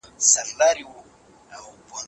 خلک به بې پروا پاته نه سي.